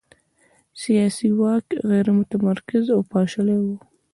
سیاسي واک غیر متمرکز او پاشلی و.